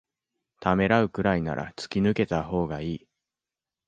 ためらうくらいなら突き抜けたほうがいい